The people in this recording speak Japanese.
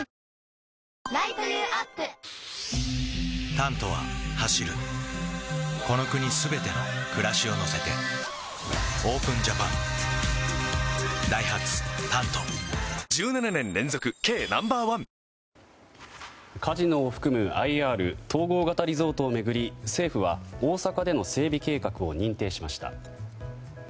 「タント」は走るこの国すべての暮らしを乗せてＯＰＥＮＪＡＰＡＮダイハツ「タント」１７年連続軽ナンバーワンカジノを含むＩＲ・統合型リゾートを巡り政府は、大阪での整備計画を認定しました。